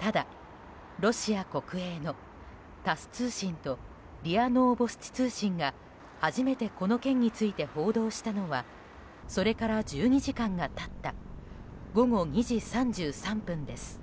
ただ、ロシア国営のタス通信とＲＩＡノーボスチ通信が初めてこの件について報道したのはそれから１２時間が経った午後２時３３分です。